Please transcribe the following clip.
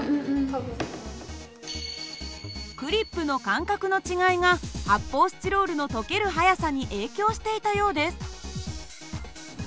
クリップの間隔の違いが発泡スチロールの溶ける速さに影響していたようです。